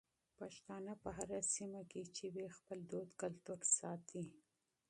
پښتانه په هره سيمه کې چې وي خپل دودونه ساتي.